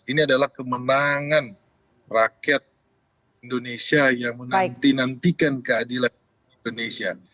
ini adalah kemenangan rakyat indonesia yang menantikan keadilan indonesia